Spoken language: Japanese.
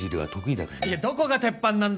いやどこが鉄板なんだよ！